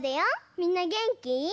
みんなげんき？